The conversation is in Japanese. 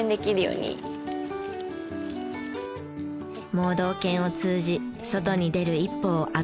盲導犬を通じ外に出る一歩を後押ししたい。